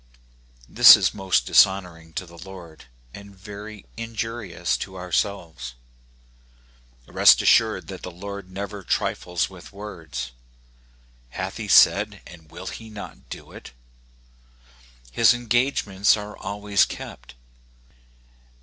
This is most dishonoring to the Lord, and very injurious to ourselves. Rest assured that the Lord never trifles with words :" Hath he said, and will he not do it ?*' His engagements are always kept.